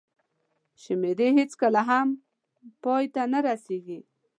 شمېرې هېڅکله هم پای ته نه رسېږي.